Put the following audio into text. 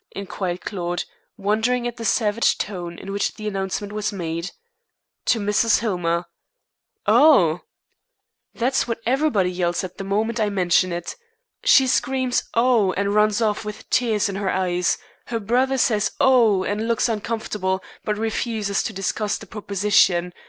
inquired Claude, wondering at the savage tone in which the announcement was made. "To Mrs. Hillmer." "Oh!" "That's what everybody yells the moment I mention it. She screams 'Oh!' and runs off with tears in her eyes. Her brother says 'Oh!' and looks uncomfortable, but refuses to discuss the proposition.